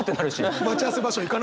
待ち合わせ場所行かないのにね。